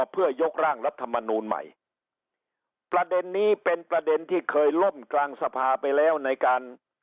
เพื่อยกร่างรัฐมนูลใหม่ประเด็นนี้เป็นประเด็นที่เคยล่มกลางสภาไปแล้วในการ